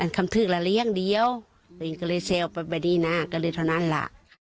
คำถือกละเลี้ยงเดียวตัวอิงก็เลยเซลล์ไปไปดีน่ะก็เลยเท่านั้นล่ะ